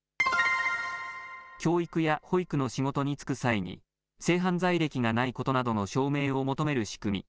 教育や保育の仕事に就く際に性犯罪歴がないことなどの証明を求める仕組み